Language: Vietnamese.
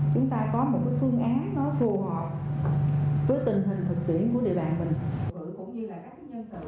chúng ta có một cái phương án nó phù hợp với tình hình thực hiện của địa bàn mình